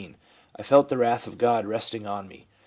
' I felt the wrath of God resting on me.